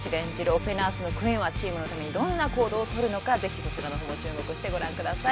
オペナースのクイーンはチームのためにどんな行動をとるのかぜひそちらの方も注目してご覧ください